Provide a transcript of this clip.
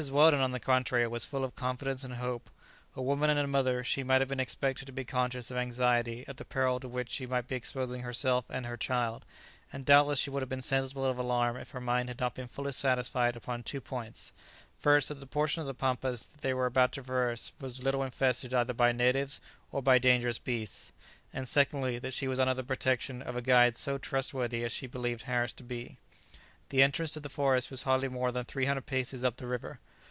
Weldon, on the contrary, was full of confidence and hope. A woman and a mother, she might have been expected to be conscious of anxiety at the peril to which she might be exposing herself and her child; and doubtless she would have been sensible of alarm if her mind had not been fully satisfied upon two points; first, that the portion of the pampas they were about to traverse was little infested either by natives or by dangerous beasts; and secondly, that she was under the protection of a guide so trustworthy as she believed Harris to be. The entrance to the forest was hardly more than three hundred paces up the river.